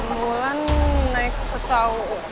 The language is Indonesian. wulan naik pesau